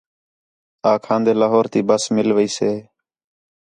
آکھان٘دے لاہور تی بس مِل ویسے